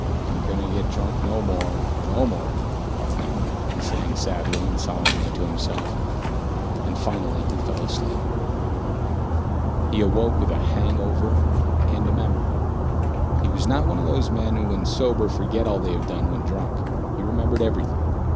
"Ain't gonna get drunk no more, no more," he sang sadly and solemnly to himself, and finally he fell asleep. He awoke with a hangover and a memory. He was not one of those men who when sober forget all they have done when drunk. He remembered everything.